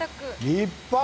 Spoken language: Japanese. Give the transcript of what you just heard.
立派。